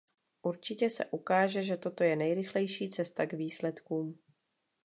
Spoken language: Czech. Určitě se ukáže, že toto je nejrychlejší cesta k výsledkům.